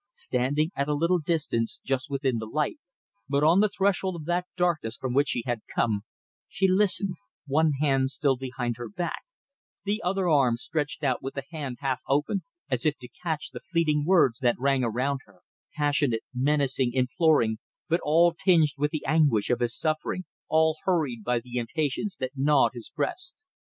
Standing at a little distance, just within the light but on the threshold of that darkness from which she had come she listened, one hand still behind her back, the other arm stretched out with the hand half open as if to catch the fleeting words that rang around her, passionate, menacing, imploring, but all tinged with the anguish of his suffering, all hurried by the impatience that gnawed his breast.